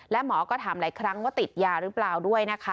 และหมอก็ถามหลายครั้งว่าติดยาหรือเปล่าด้วยนะคะ